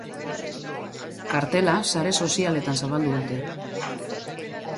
Kartela sare sozialetan zabaldu dute.